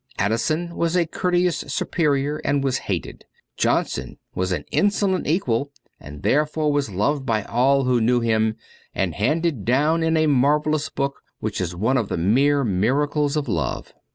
Addison was a courteous superior and was hated. Johnson was an insolent equal, and therefore was loved by all who knew him and handed down in a marvellous book which is one of the mere miracles of love.